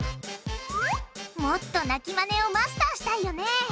もっと鳴きマネをマスターしたいよね。